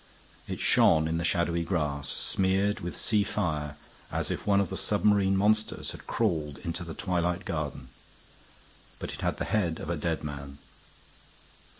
It shone in the shadowy grass, smeared with sea fire as if one of the submarine monsters had crawled into the twilight garden; but it had the head of a dead man.